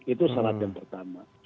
itu syarat yang pertama